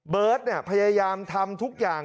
เบิร์ตพยายามทำทุกอย่าง